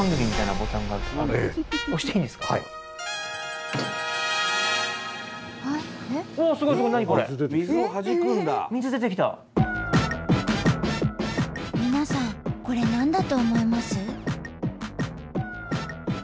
スタジオこれ何だと思います？